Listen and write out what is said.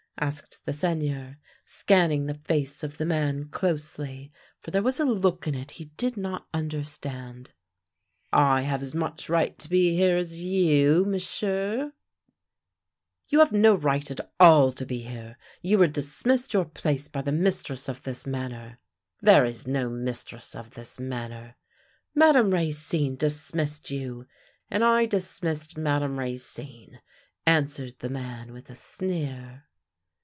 asked the Seigneur, scanning the face of the man closely, for there was a look in it he did not understand. " I have as much right to be here as you, M'sieu'." THE LANE THAT HAD NO TURNING 79 " You have no right at all to be here. You were dis missed your place by the mistress of this manor." " There is no mistress of this manor." " Madame Racine dismissed you." " And I dismissed jNIadame Racine," answered the man, with a sneer.